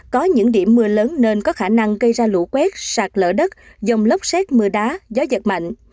có những điểm mưa lớn nên có khả năng gây ra lũ quét sạt lở đất dông lốc xét mưa đá gió giật mạnh